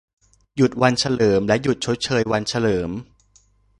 หยุดวันเฉลิม และ หยุดชดเชยวันเฉลิม